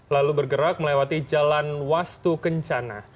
lalu bergerak melewati jalan wastu kencana